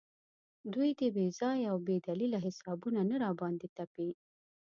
دوی دې بې ځایه او بې دلیله حسابونه نه راباندې تپي.